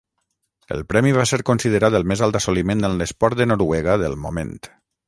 El premi va ser considerat el més alt assoliment en l'esport de Noruega del moment.